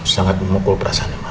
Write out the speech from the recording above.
sangat memukul perasaan mama